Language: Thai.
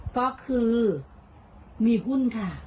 ก็คือมีหุ้นค่ะ